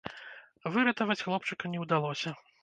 Выратаваць хлопчыка не ўдалося.